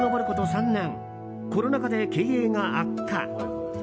３年コロナ禍で経営が悪化。